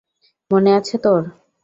মনে আছে তোর?